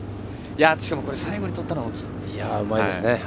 しかも最後にとったのは大きいですね。